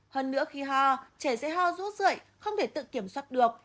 hơn nữa khi hoa trẻ sẽ hoa rút rượi không thể tự kiểm soát được